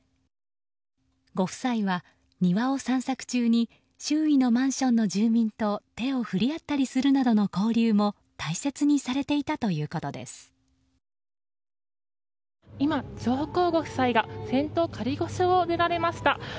ご夫妻は、庭を散策中に周囲のマンションの住民と手を振り合ったりするなどの交流も今、上皇ご夫妻が仙洞仮御所を出られました。